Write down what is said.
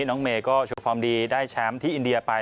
น้องเมย์ก็โชว์ฟอร์มดีได้แชมป์ที่อินเดียไป